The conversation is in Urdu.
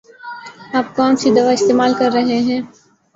آپ کون سی دوا استعمال کر رہے ہیں؟